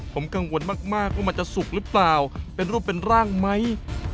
ผมกังวลมากว่ามันจะสุกหรือเปล่าเป็นรูปเป็นร่างไหม